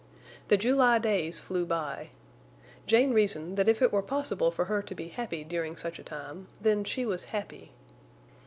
The July days flew by. Jane reasoned that if it were possible for her to be happy during such a time, then she was happy.